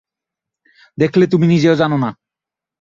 দেখলে, তুমি নিজেও জানো না!